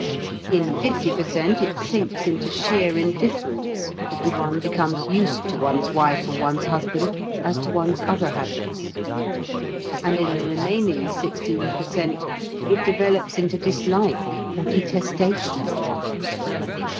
In fifty per cent. it sinks into sheer indifference, and one becomes used to one's wife or one's husband as to one's other habits. And in the remaining sixteen per cent. it develops into dislike or detestation.